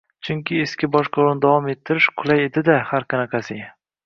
Chunki eski boshqaruvni davom ettirish qulay edida har qanaqasiga.